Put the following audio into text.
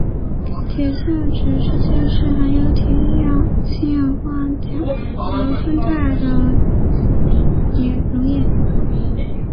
铁锈指示剂是含有铁氰化钾和酚酞的溶液。